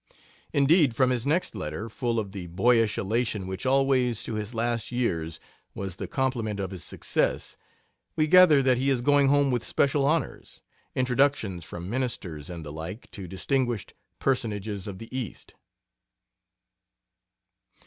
Indeed, from his next letter, full of the boyish elation which always to his last years was the complement of his success, we gather that he is going home with special honors introductions from ministers and the like to distinguished personages of the East.